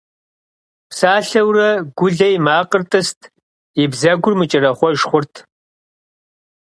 Псалъэурэ, Гулэ и макъыр тӀыст, и бзэгур мыкӀэрэхъуэж хъурт.